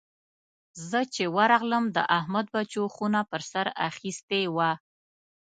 زه چې ورغلم؛ د احمد بچو خونه پر سر اخيستې وه.